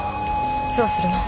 どうするの？